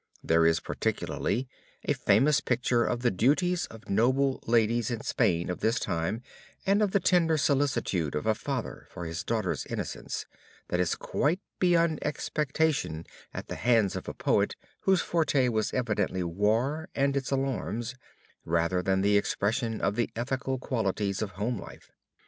There is particularly a famous picture of the duties of noble ladies in Spain of this time and of the tender solicitude of a father for his daughters' innocence, that is quite beyond expectation at the hands of a poet whose forte was evidently war and its alarms, rather than the expression of the ethical qualities of home life.